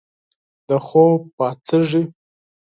د خوب پاڅیږې